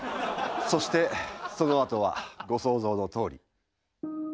そしてそのあとはご想像のとおり。